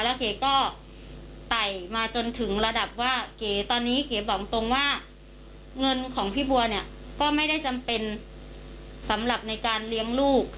แล้วเก๋ก็ไต่มาจนถึงระดับว่าเก๋ตอนนี้เก๋บอกตรงว่าเงินของพี่บัวเนี่ยก็ไม่ได้จำเป็นสำหรับในการเลี้ยงลูก